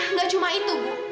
nggak cuma itu bu